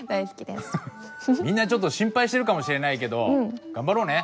みんなちょっと心配してるかもしれないけど頑張ろうね。